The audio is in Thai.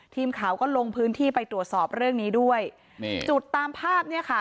ทีมข่าวก็ลงพื้นที่ไปตรวจสอบเรื่องนี้ด้วยนี่จุดตามภาพเนี่ยค่ะ